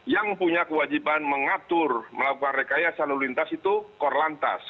yang punya kewajiban mengatur melakukan rekaya selalu lintas itu kakor lantas